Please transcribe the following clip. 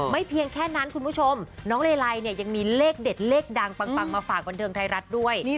เพียงแค่นั้นคุณผู้ชมน้องเลไลเนี่ยยังมีเลขเด็ดเลขดังปังมาฝากบันเทิงไทยรัฐด้วย